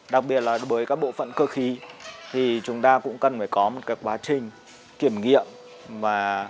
đặc biệt là đối với các bộ phận cơ khí thì chúng ta cũng cần phải có một quá trình kiểm nghiệm